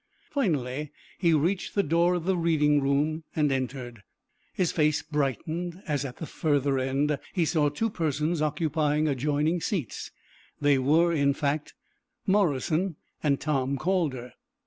Finally he reached the door of the reading room and entered. His face brightened as at the further end he saw two persons occupying adjoining seats. They were, in fact, Morrison and Tom Calder.